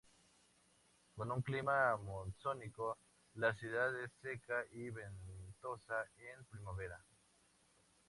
Con un clima monzónico, la ciudad es seca y ventosa en primavera.